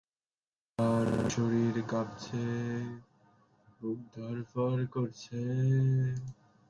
তাঁর শরীর কাঁপছে, বুক ধড়ফড় করছে।